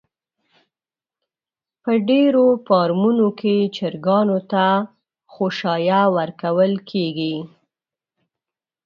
په ډېرو فارمونو کې چرگانو ته خؤشايه ورکول کېږي.